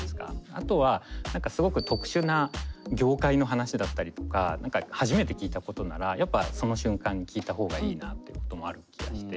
あとは何かすごく特殊な業界の話だったりとか何か初めて聞いたことならやっぱその瞬間に聞いた方がいいなってこともある気がして。